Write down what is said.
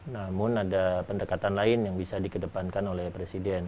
namun ada pendekatan lain yang bisa dikedepankan oleh presiden